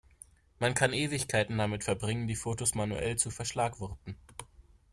Man kann Ewigkeiten damit verbringen, die Fotos manuell zu verschlagworten.